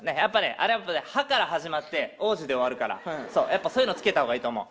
あれは「ハ」から始まって「王子」で終わるからそういうの付けたほうがいいと思う。